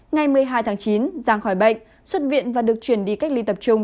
ngày một mươi hai tháng chín giang khỏi bệnh xuất viện và được chuyển đi cách ly tập trung